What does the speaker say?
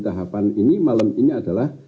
tahapan ini malam ini adalah